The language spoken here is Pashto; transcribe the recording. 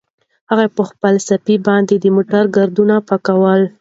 هغه په خپله صافه باندې د موټر ګردونه پاکول.